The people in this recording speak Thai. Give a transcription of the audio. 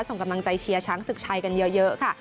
ส่งกำลังใจเชียร์ช้างศึกชัยกันเยอะค่ะ